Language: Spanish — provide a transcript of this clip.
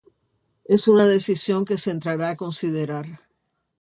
Es una decisión que se entrará a considerar.